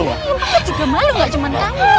emang aku juga malu gak cuman kamu